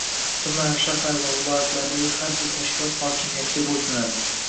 tuman, shahar va viloyatlardagi har bir tashkilot hokimiyatga bo‘ysunadi.